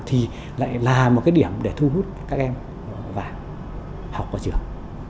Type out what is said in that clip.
thì lại là một cái điểm để thu hút các em và học qua trường